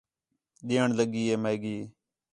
ݙیݨ لڳی ہے میگی